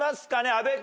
阿部君。